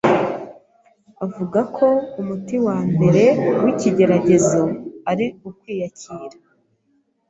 Avuga ko umuti wa mbere w’ikigeragezo ari Ukwiyakira